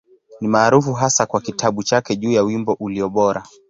Ni maarufu hasa kwa kitabu chake juu ya Wimbo Ulio Bora.